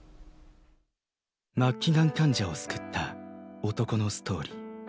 末期がん患者を救った男のストーリー。